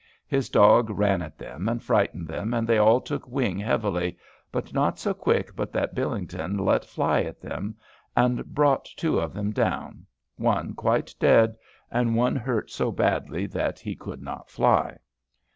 His dogge ran at them and frightened them, and they all took wing heavily, but not so quick but that Billington let fly at them and brought two of them down, one quite dead and one hurt so badly that he could not fly.